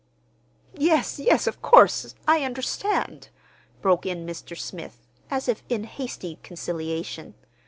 "Yes, yes, of course; I understand," broke in Mr. Smith, as if in hasty conciliation.